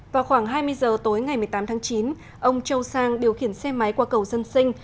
vào khoảng hai mươi giờ tối ngày một mươi tám tháng chín ông châu sang điều khiển xe máy qua cầu dân sinh